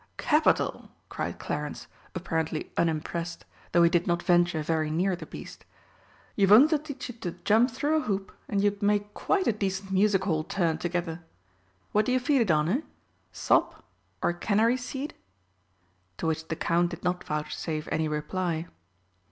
"Capital!" cried Clarence, apparently unimpressed, though he did not venture very near the beast. "You've only to teach it to jump through a hoop, and you'd make quite a decent Music hall 'turn' together. What do you feed it on, eh? Sop or canary seed?" To which the Count did not vouchsafe any reply.